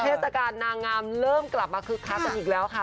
เทศกาลนางงามเริ่มกลับมาคึกคักกันอีกแล้วค่ะ